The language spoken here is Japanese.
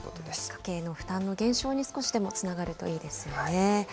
家計の負担の減少に少しでもつながるといいですよね。